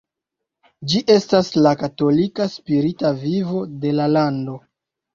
Ĝi estas la katolika spirita vivo de la lando.